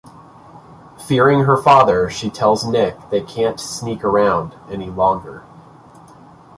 Fearing her father, she tells Nick they can't sneak around any longer.